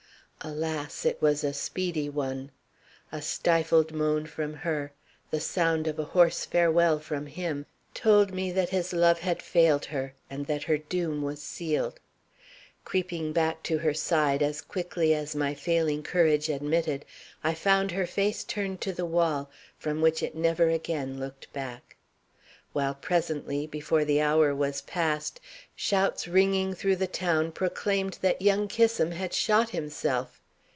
Alas! It was a speedy one. A stifled moan from her, the sound of a hoarse farewell from him, told me that his love had failed her, and that her doom was sealed. Creeping back to her side as quickly as my failing courage admitted, I found her face turned to the wall, from which it never again looked back; while presently, before the hour was passed, shouts ringing through the town proclaimed that young Kissam had shot himself.